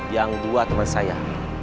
yang dua teman saya